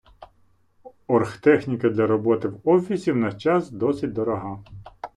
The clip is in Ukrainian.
Орхтехніка для роботи в офісі у наш час досить дорога